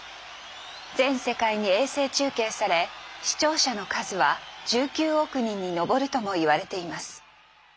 全世界に衛星中継され視聴者の数は１９億人に上るともいわれています。